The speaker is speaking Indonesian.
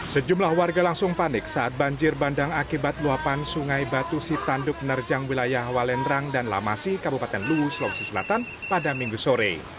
sejumlah warga langsung panik saat banjir bandang akibat luapan sungai batu sitanduk nerjang wilayah walendrang dan lamasi kabupaten luwu sulawesi selatan pada minggu sore